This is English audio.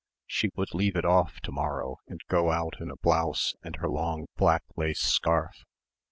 She would leave it off to morrow and go out in a blouse and her long black lace scarf....